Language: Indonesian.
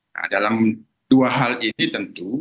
nah dalam dua hal ini tentu